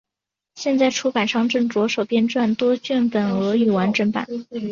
现在出版商正着手编撰多卷本俄语完整版。